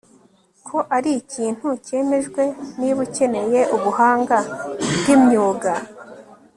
ko arikintu cyemejwe Niba ukeneye ubuhanga bwimyuga